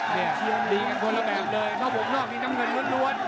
เนี้ยดีกับคนละแบบเลยระบบนอกมีน้ำเงินนวดนวด